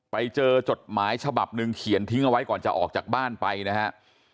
จดหมายฉบับหนึ่งเขียนทิ้งเอาไว้ก่อนจะออกจากบ้านไปนะฮะ